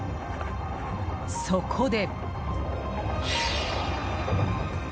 そこで。